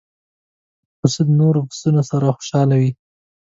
پسه د نور پسونو سره خوشاله وي.